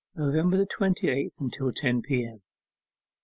NOVEMBER THE TWENTY EIGHTH. UNTIL TEN P.M.